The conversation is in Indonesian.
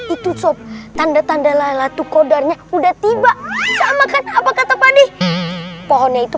itu sob tanda tanda lelah tuh kodanya udah tiba sama kan apa kata padi pohonnya itu